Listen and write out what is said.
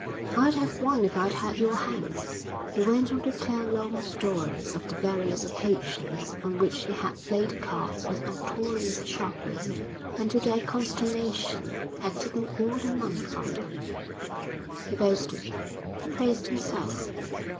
"I'd have won if I'd had your hands." He went on to tell long stories of the various occasions on which he had played cards with notorious sharpers and to their consternation had taken all their money from them. He boasted. He praised himself.